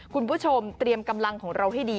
คุณผู้ชมเตรียมกำลังของเราให้ดี